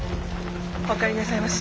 お帰りなさいまし。